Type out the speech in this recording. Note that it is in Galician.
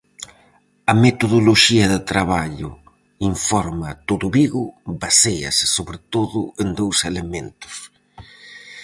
A metodoloxía de traballo, informa Todo Vigo, baséase sobre todo en dous elementos: